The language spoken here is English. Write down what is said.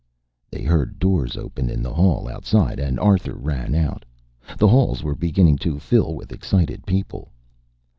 They heard doors open in the hall outside, and Arthur ran out. The halls were beginning to fill with excited people.